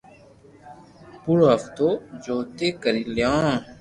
پورو حفتہ ڇوتي ڪري ليتو